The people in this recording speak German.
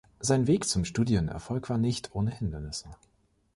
Sein Weg zum Studienerfolg war nicht ohne Hindernisse.